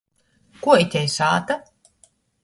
Kuo itei sāta?